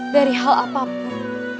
dari hal apapun